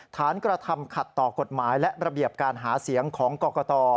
กระทำขัดต่อกฎหมายและระเบียบการหาเสียงของกรกต